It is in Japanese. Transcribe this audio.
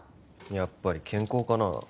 やっぱり健康かな